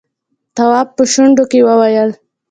تواب په شونډو کې وويل: